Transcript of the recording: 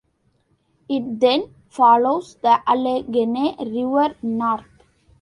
It then follows the Allegheny River north.